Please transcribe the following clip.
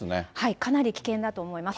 かなり危険だと思います。